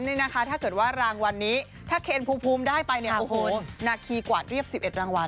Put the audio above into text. นั่นแหละค่ะแต่บอกเลยว่าปีนี้นาคีมาแรงจริง